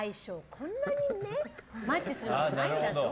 こんなにマッチするものはないんだぞ。